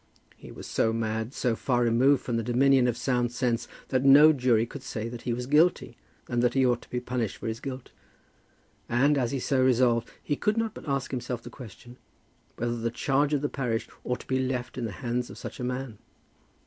He was so mad, so far removed from the dominion of sound sense, that no jury could say that he was guilty and that he ought to be punished for his guilt. And, as he so resolved, he could not but ask himself the question, whether the charge of the parish ought to be left in the hands of such a man?